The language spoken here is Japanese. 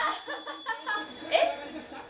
えっ？